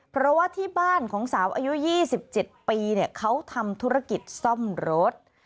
เพราะว่าที่บ้านของสาวอายุ๒๗ปีเขาทำธุรกิจซ่อมรถ